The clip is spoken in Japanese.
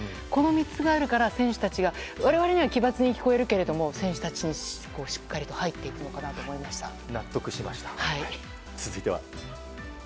この３つがあるから選手たちが我々には奇抜に聞こえるけれども選手たちにしっかりと入っていくのかなと思いました。